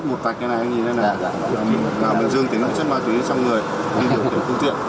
làm được dương tính với chất ma túy trong người đi đường đến phương tiện